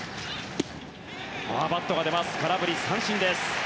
バットが出ます空振り三振です。